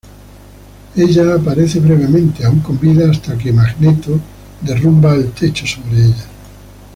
Ella aparece brevemente, aún con vida, hasta que Magneto derrumba el techo sobre ella.